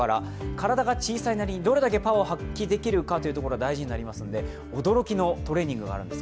体が小さいなりにどれだけパワーを発揮できるかが大事になってきますので、驚きのトレーニングがあるんです。